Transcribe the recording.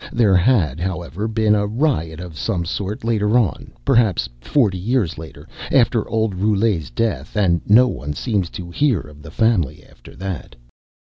There had, however, been a riot of some sort later on perhaps forty years later, after old Roulet's death and no one seemed to hear of the family after that.